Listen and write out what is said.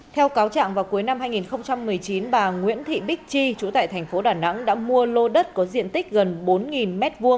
theo cáo trạng vào cuối năm hai nghìn một mươi chín bà nguyễn thị bích chi chú tại thành phố đà nẵng đã mua lô đất có diện tích gần bốn m hai